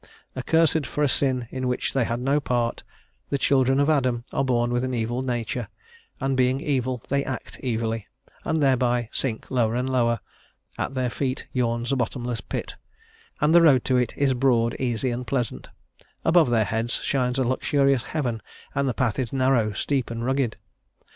Accursed for a sin in which they had no part, the children of Adam are born with an evil nature, and being evil they act evilly, and thereby sink lower and lower; at their feet yawns a bottomless pit, and the road to it is broad, easy, and pleasant; above their heads shines a luxurious heaven, and the path is narrow, steep, and rugged.